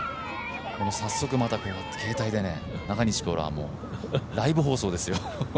早速、また携帯で中西プロはライブ放送ですよ。